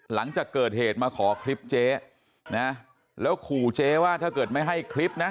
หลังจากเกิดเหตุมาขอคลิปเจ๊นะแล้วขู่เจ๊ว่าถ้าเกิดไม่ให้คลิปนะ